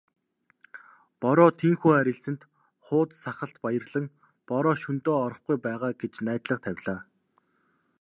Бороо тийнхүү арилсанд хууз сахалт баярлан "Бороо шөнөдөө орохгүй байгаа" гэж найдлага тавилаа.